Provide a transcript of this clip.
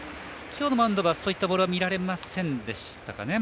きょうのマウンドではそういったボールは見られませんでしたね。